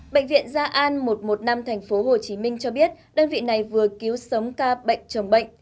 bệnh viện gia an một trăm một mươi năm tp hcm cho biết đơn vị này vừa cứu sống ca bệnh chồng bệnh